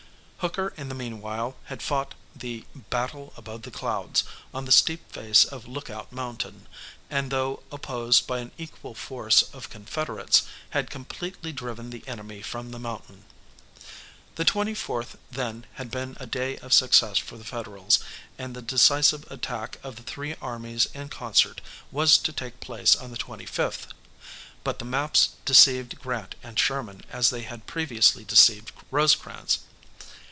Hooker in the meanwhile had fought the "Battle above the Clouds" on the steep face of Lookout Mountain, and though opposed by an equal force of Confederates, had completely driven the enemy from the mountain. The 24th then had been a day of success for the Federals, and the decisive attack of the three armies in concert was to take place on the 25th. But the maps deceived Grant and Sherman as they had previously deceived Rosecrans.